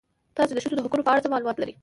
تاسې د ښځو د حقونو په اړه څه معلومات لرئ؟